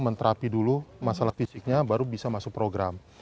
menterapi dulu masalah fisiknya baru bisa masuk program